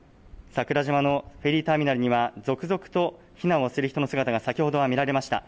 桜島のフェリーターミナルには続々と避難をする人の姿が先ほどは見られました。